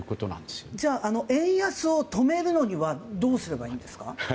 じゃあ円安を止めるのにはどうすればいいんですか？